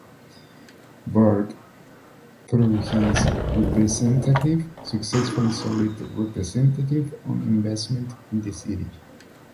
Burke, through his representative successfully soured the representative on investment in the city.